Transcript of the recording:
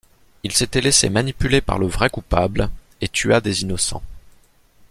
Il s'était laissé manipuler par le vrai coupable et tua des innocents.